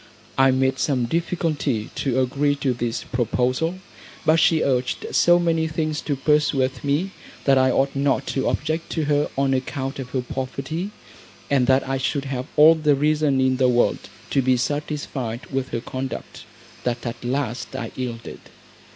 I made some difficulty to agree to this proposal; but she urged so many things to persuade me that I ought not to object to her on account of her poverty, and that I should have all the reason in the world to be satisfied with her conduct, that at last I yielded.